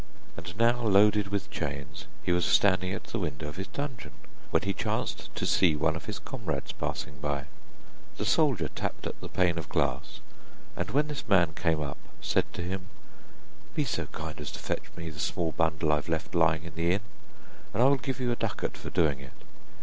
And now loaded with chains, he was standing at the window of his dungeon, when he chanced to see one of his comrades passing by. The soldier tapped at the pane of glass, and when this man came up, said to him: 'Be so kind as to fetch me the small bundle I have left lying in the inn, and I will give you a ducat for doing it.